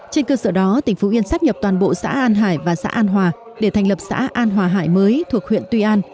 trên cơ sở đó tỉnh phú yên sắp nhập toàn bộ xã an hải và xã an hòa để thành lập xã an hòa hải mới thuộc huyện tuy an